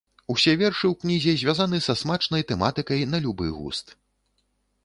Усе вершы ў кнізе звязаны са смачнай тэматыкай на любы густ.